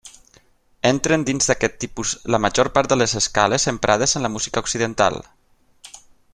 Entren dins d'aquest tipus la major part de les escales emprades en la música occidental.